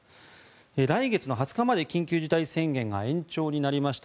来月２０日まで緊急事態宣言が延長になりました